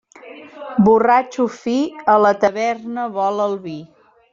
Borratxo fi, a la taverna vol el vi.